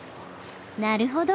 なるほど。